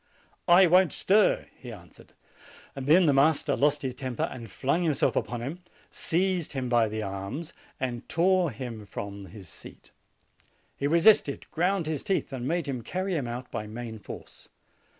"I won't stir," he answered. Then the master lost his temper, and flung himself upon him, seized him by the arms, and tore him from his seat. He resisted, ground his teeth, and made him carry him out by main force.